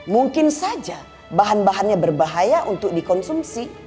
mungkin saja bahan bahannya berbahaya untuk dikonsumsi